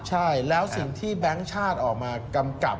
ใช่แล้วสิ่งที่แบงค์ชาติออกมากำกับ